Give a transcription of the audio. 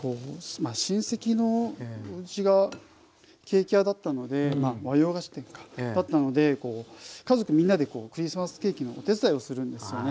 親戚のうちがケーキ屋だったので和洋菓子店かだったので家族みんなでクリスマスケーキのお手伝いをするんですよね。